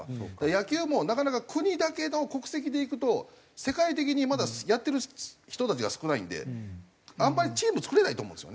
野球もなかなか国だけの国籍でいくと世界的にまだやってる人たちが少ないんであんまりチーム作れないと思うんですよね。